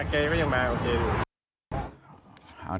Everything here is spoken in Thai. แกก็ยังมาโอเค